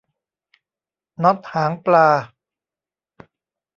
น็อตหางปลา